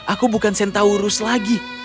aku bukan centaurus lagi